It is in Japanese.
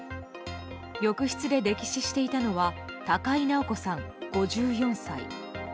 浴室で溺死していたのは高井直子さん、５４歳。